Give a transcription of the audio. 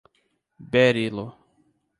Berilo